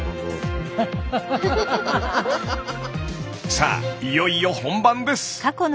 さあいよいよ本番です。